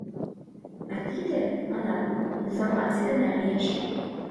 А тиде, манам, информаций гына лиеш.